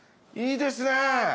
いいですね。